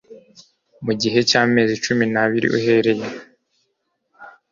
mu gihe cy amezi cumi n abiri uhereye